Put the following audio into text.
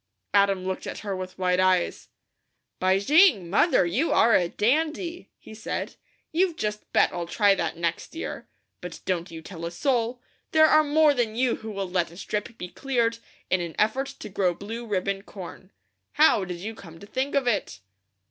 Adam looked at her with wide eyes. "By jing, Mother, you are a dandy!" he said. "You just bet I'll try that next year, but don't you tell a soul; there are more than you who will let a strip be cleared, in an effort to grow blue ribbon corn. How did you come to think of it?"